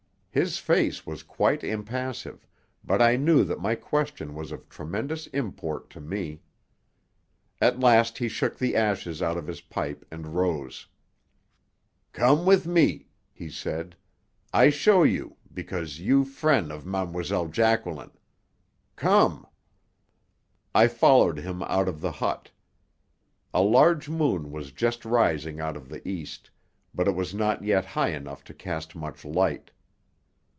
His face was quite impassive, but I knew that my question was of tremendous import to me. At last he shook the ashes out of his pipe and rose. "Come with me," he said. "I show you because you frien' of Ma'm'selle Jacqueline. Come." I followed him out of the hut. A large moon was just rising out of the east, but it was not yet high enough to cast much light.